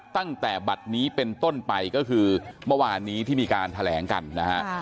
ตั้งแต่บัตรนี้เป็นต้นไปก็คือเมื่อวานนี้ที่มีการแถลงกันนะฮะ